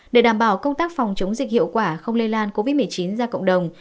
để đảm bảo công tác phòng chống dịch hiệu quả không lây lan covid một mươi chín ra cộng đồng